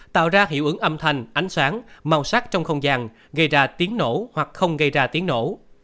tạo ra hiệu ứng âm thanh ánh sáng màu sắc trong không gian gây ra tiếng nổ hoặc không gây ra tiếng nổ